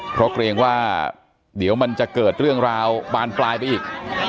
เพราะเกรงว่าเดี๋ยวมันจะเกิดเรื่องราวบานปลายไปอีก